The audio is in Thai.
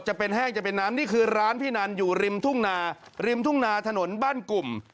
จะเป็นแห้งจะเป็นน้ำนี่คือร้านพี่นันอยู่ริมทุ่งนาริมทุ่งนาถนนบ้านกลุ่ม